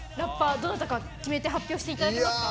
どなたか決めて発表していただけますか？